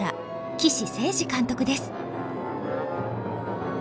岸誠二監督です。